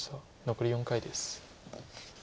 残り４回です。